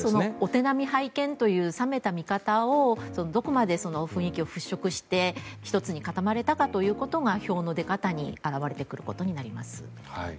お手並み拝見という冷めた見方をどこまで雰囲気を払しょくして１つに固まれたかということが票の出方に現れてくることになります。